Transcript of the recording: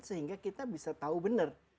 sehingga kita bisa tahu benar